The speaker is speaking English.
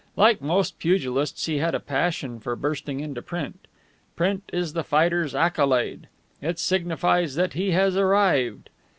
Like most pugilists he had a passion for bursting into print. Print is the fighter's accolade. It signifies that he has arrived.